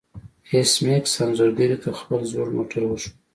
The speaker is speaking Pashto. ایس میکس انځورګرې ته خپل زوړ موټر وښود